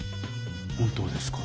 本当ですか？